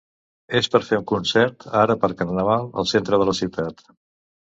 Es per fer un concert ara per carnaval al centre de la ciutat.